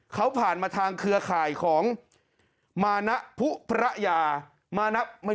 เขาผ่านมาทางเครือข่ายของมานะผู้พระยา